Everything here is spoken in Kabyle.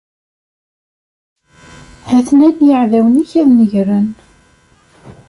Ha-ten-an yiɛdawen-ik ad negren.